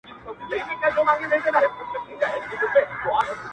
• ویښ مي له پېړیو په خوب تللي اولسونه دي,